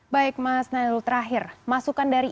baik mas nah lalu terakhir masukkan dari